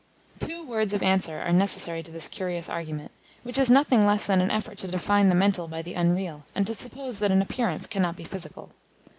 Two words of answer are necessary to this curious argument, which is nothing less than an effort to define the mental by the unreal, and to suppose that an appearance cannot be physical.